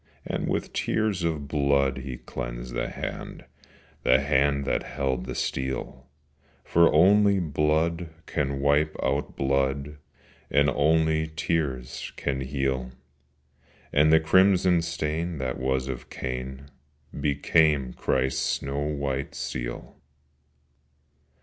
And with tears of blood he cleansed the hand, The hand that held the steel: For only blood can wipe out blood, And only tears can heal: And the crimson stain that was of Cain Became Christ's snow white seal.